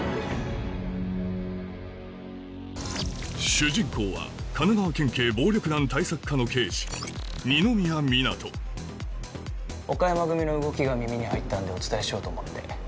主人公は神奈川県警暴力団対策課の刑事「岡山組の動きが耳に入ったんでお伝えしようと思って」